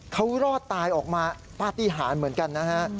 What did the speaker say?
เขารอดตายออกมาปฏิหารเหมือนกันนะฮะ